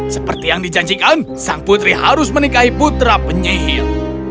seperti yang dijanjikan sang putri harus menikahi putra penyihir